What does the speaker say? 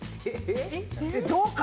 えっ？